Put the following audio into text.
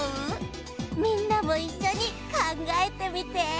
みんなもいっしょにかんがえてみて。